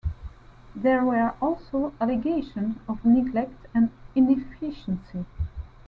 There were also allegations of neglect and inefficiency.